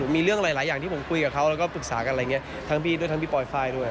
มีเรื่องหลายอย่างที่ผมคุยกับเขาแล้วก็ปรึกษากันอะไรอย่างนี้ทั้งพี่ด้วยทั้งพี่ปลอยไฟล์ด้วย